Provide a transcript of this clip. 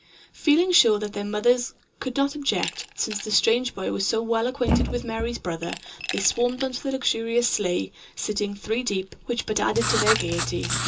Feeling sure that their mothers could not object, since the strange boy was so well acquainted with Merry's brother, they swarmed into the luxurious sleigh, sitting three deep, which but added to their gaiety.